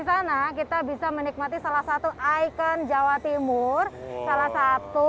sana kita bisa menikmati salah satu ikon jawa timur salah satu